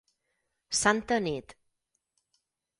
Santa nit.